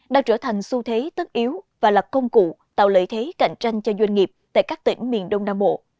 đã trở thành xu thế tất yếu và là công cụ tạo lợi thế cạnh tranh cho doanh nghiệp tại các tỉnh miền đông nam bộ